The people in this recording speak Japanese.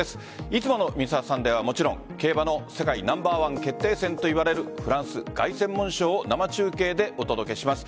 いつもの「Ｍｒ．サンデー」はもちろん競馬の世界ナンバーワン決定戦といわれるフランス凱旋門賞を生中継でお届けします。